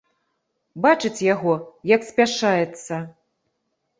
Бачыць яго, як спяшаецца.